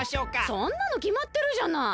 そんなのきまってるじゃない。